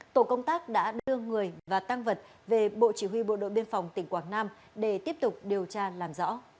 tổ công tác đã đưa người và tăng vật về bộ chỉ huy bộ đội biên phòng tỉnh quảng nam để tiếp tục điều tra làm rõ